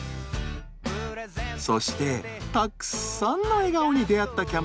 そしてたくさんの笑顔に出会ったキャンプ旅。